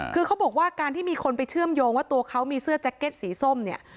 คือเขาบอกว่าการที่มีคนไปเชื่อมโยงว่าตัวเขามีเสื้อแจ็คเก็ตสีส้มเนี่ย